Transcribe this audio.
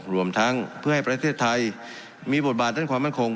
รวมทั้งเพื่อให้ประเทศไทยมีบทบาทด้านความมั่นคง